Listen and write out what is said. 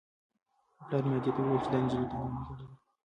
پلار مې ادې ته وویل چې دا نجلۍ تا لېونۍ کړې ده.